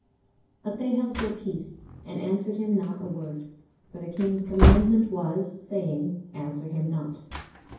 23:036:021 But they held their peace, and answered him not a word: for the king's commandment was, saying, Answer him not.